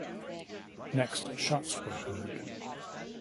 Next, shots were heard.